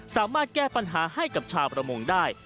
สามารถแก้ปัญหาให้กับชาวประมงได้